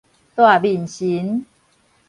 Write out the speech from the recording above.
大面神